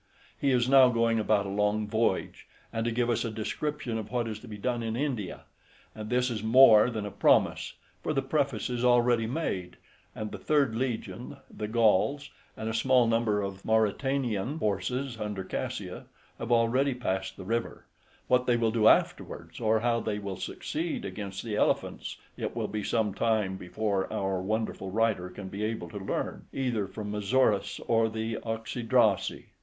He is now going about a long voyage, and to give us a description of what is to be done in India; and this is more than a promise, for the preface is already made, and the third legion, the Gauls, and a small part of the Mauritanian forces under Cassius, have already passed the river; what they will do afterwards, or how they will succeed against the elephants, it will be some time before our wonderful writer can be able to learn, either from Mazuris or the Oxydraci.